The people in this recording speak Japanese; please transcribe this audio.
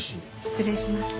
失礼します。